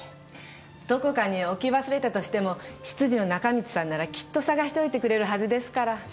どこかに置き忘れたとしても執事の中道さんならきっと捜しておいてくれるはずですから。